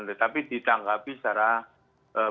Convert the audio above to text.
tetapi ditanggapi secara berbeda